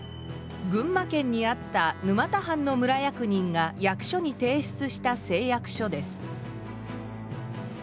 群馬県にあった沼田藩の村役人が役所に提出した誓約書です。